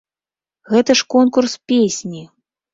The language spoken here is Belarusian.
Гэта ж конкурс песні!